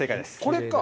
これか。